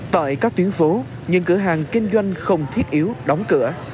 tại các tuyến phố những cửa hàng kinh doanh không thiết yếu đóng cửa